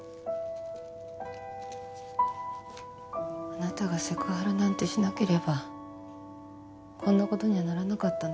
あなたがセクハラなんてしなければこんなことにはならなかったのよ。